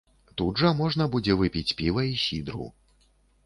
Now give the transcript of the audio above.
Тут жа можна будзе выпіць піва і сідру.